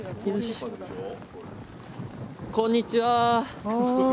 あっこんにちは。